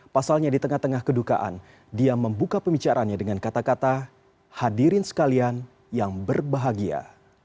pasalnya di tengah tengah kedukaan dia membuka pembicaraannya dengan kata kata hadirin sekalian yang berbahagia